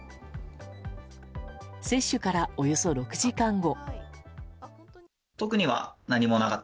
接種からおよそ６時間後。